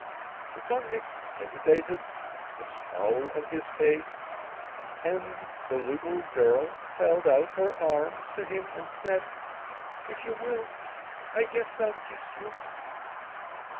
The convict hesitated, a scowl on his face; and the little girl held out her arms to him and said: "If you will, I guess I'll kiss you."